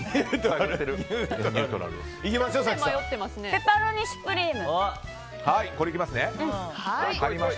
ペパロニ・シュプリーム。